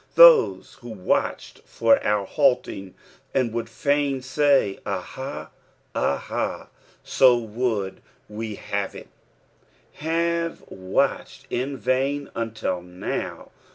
Those who watched for our halting, and would fain say, " Aha I Ahal So would we have it I" have watched in vain until now.